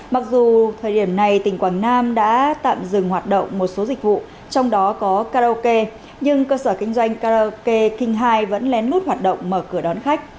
mặc dù thời điểm này tỉnh quảng nam đã tạm dừng hoạt động một số dịch vụ trong đó có karaoke nhưng cơ sở kinh doanh karaoke kinh hai vẫn lén lút hoạt động mở cửa đón khách